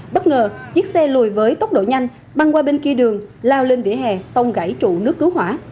bất ngờ chiếc xe lùi với tốc độ nhanh băng qua bên kia đường lao lên vỉa hè tông gãy trụ nước cứu hỏa